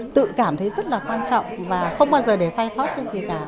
tự cảm thấy rất là quan trọng và không bao giờ để sai sót cái gì cả